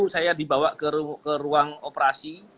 saya dibawa ke ruang operasi